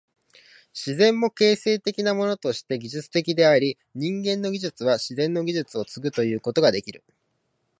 自然も形成的なものとして技術的であり、人間の技術は自然の技術を継ぐということができる。